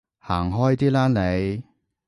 行開啲啦你